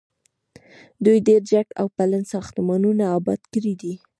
دوی ډیر جګ او پلن ساختمانونه اباد کړي دي.